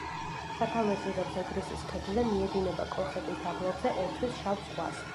სათავეს იღებს ეგრისის ქედზე, მიედინება კოლხეთის დაბლობზე, ერთვის შავ ზღვას.